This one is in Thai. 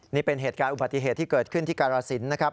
นี่เป็นเหตุการณ์อุบัติเหตุที่เกิดขึ้นที่การาศิลป์นะครับ